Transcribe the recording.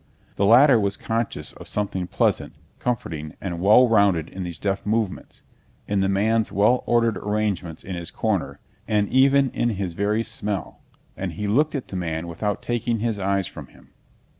The latter was conscious of something pleasant, comforting, and well rounded in these deft movements, in the man's well ordered arrangements in his corner, and even in his very smell, and he looked at the man without taking his eyes from him.